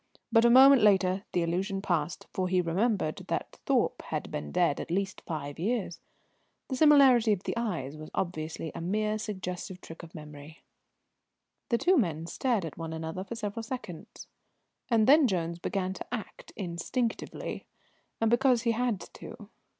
But a moment later the illusion passed, for he remembered that Thorpe had been dead at least five years. The similarity of the eyes was obviously a mere suggestive trick of memory. The two men stared at one another for several seconds, and then Jones began to act instinctively, and because he had to.